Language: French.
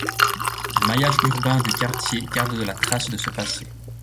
Le maillage urbain du quartier garde la trace de ce passé.